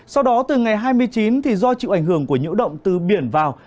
sau đó từ ngày hai mươi chín thì do chịu ảnh hưởng của nhiễu động từ biển vào